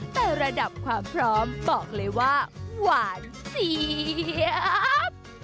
แต่ระดับความพร้อมบอกเลยว่าหวานเสียบ